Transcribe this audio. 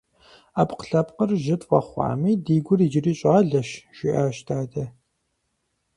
- Ӏэпкълъэпкъыр жьы тфӀэхъуами, ди гур иджыри щӀалэщ, - жиӏащ дадэ.